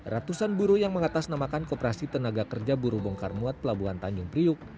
ratusan buruh yang mengatasnamakan kooperasi tenaga kerja buruh bongkar muat pelabuhan tanjung priuk